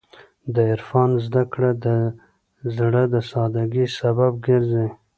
د عرفان زدهکړه د زړه د سادګۍ سبب ګرځي.